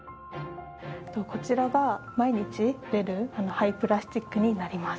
こちらが毎日出る廃プラスチックになります。